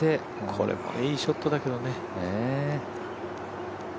これもいいショットだけどね。